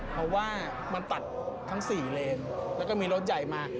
เพราะว่ามันตัดทั้ง๔เลนแล้วก็มีรถใหญ่มา